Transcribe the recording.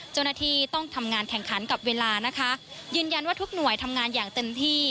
เจ้าหน้าที่ต้องทำงานแข่งขันกับเวลานะคะยืนยันว่าทุกหน่วยทำงานอย่างเต็มที่